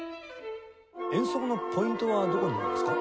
演奏のポイントはどこになりますか？